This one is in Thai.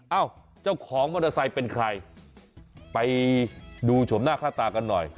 เอ้าเจ้าของมอเตอร์ไซค์เป็นใครไปดูชมหน้าค่าตากันหน่อย